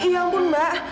ya ampun mbak